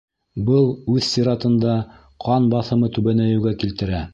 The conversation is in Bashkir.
Был, үҙ сиратында, ҡан баҫымы түбәнәйеүгә килтерә.